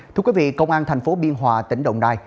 thưa quý vị công an thành phố biên hòa tỉnh đồng nai